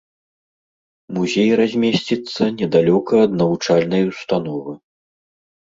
Музей размесціцца недалёка ад навучальнай установы.